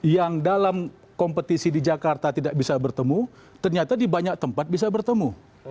yang dalam kompetisi di jakarta tidak bisa bertemu ternyata di banyak tempat bisa bertemu